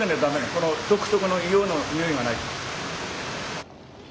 この独特の硫黄のにおいがないと。